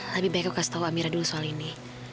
lebih baik aku kasih tahu amira dulu soal ini